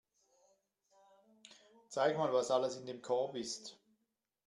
Zeig mal, was alles in dem Korb ist.